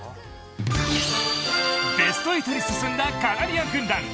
ベスト８に進んだカナリア軍団。